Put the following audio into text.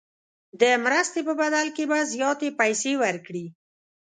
د مرستې په بدل کې به زیاتې پیسې ورکړي.